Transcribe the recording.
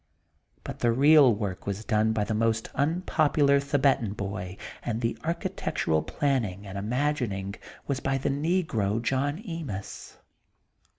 But the real work was done by the most unpopular Thibetan Boy and the architectural planning and imagining was by the negro John Emis.